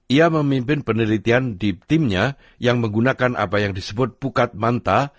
ia memimpin penelitian di timnya yang menggunakan apa yang disebut pukat manta